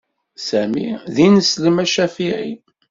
Sami d ineslem acafɛi.